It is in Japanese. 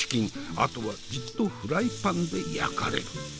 あとはじっとフライパンで焼かれる。